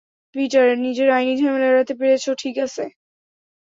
Peter, নিজের আইনি ঝামেলা এড়াতে পেরেছ, ঠিক আছে।